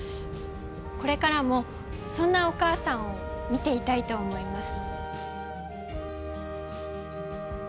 これからもそんなお母さんを見ていたいと思います。